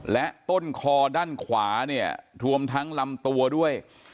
และต้นคอด้านขวาเนี่ยรวมทั้งลำตัวด้วย